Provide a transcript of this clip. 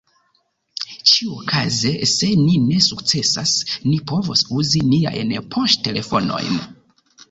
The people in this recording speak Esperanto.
Ĉiuokaze, se ni ne sukcesas, ni povos uzi niajn poŝtelefonojn.